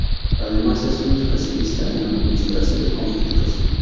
Además es un especialista en administración de conflictos.